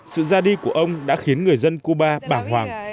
sự ra đi của ông đã khiến người dân cuba bảng hoàng